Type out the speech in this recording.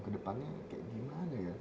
ke depannya seperti bagaimana ya